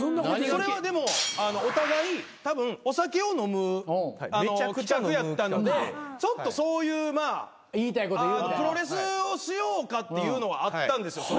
それはでもお互いたぶんお酒を飲む企画やったんでちょっとそういうまあプロレスをしようかっていうのはあったんですよ。